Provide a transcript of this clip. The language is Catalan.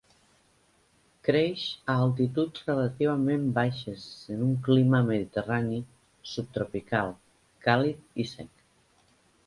Creix a altituds relativament baixes en un clima mediterrani subtropical càlid i sec.